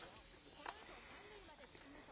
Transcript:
このあと３塁まで進むと。